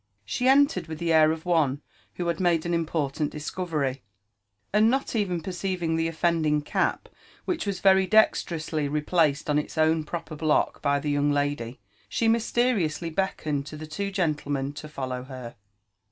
She entered with the air of one who had made an important discovery, and not even perceiving the offending cap, which was very dexterously replaced on its own proper block by the young lady, she mysteriously beckoned to the two gentlemen to follow her.